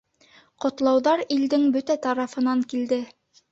— Ҡотлауҙар илдең бөтә тарафынан килде